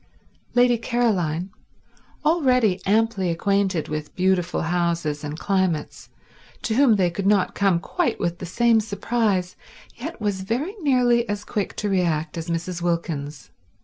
Lady Caroline, already amply acquainted with beautiful houses and climates, to whom they could not come quite with the same surprise, yet was very nearly as quick to react as Mrs. Wilkins.